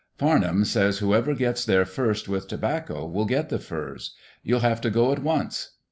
Farnham says whoever gets there first with tobacco will get the furs. You'll have to go at once."